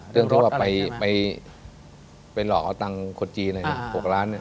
เรื่องที่ว่าไปหลอกเอาตังค์คนจีนอะไร๖ล้านเนี่ย